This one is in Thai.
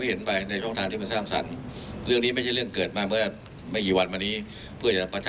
ผมเห็นว่ามันนานไปแล้วผมก็ผ่อนคลายให้ก่อนนั้นเอง